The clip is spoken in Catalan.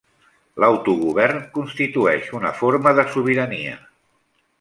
L'autogovern constitueix una forma de sobirania.